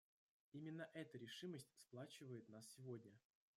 Именно эта решимость сплачивает нас сегодня.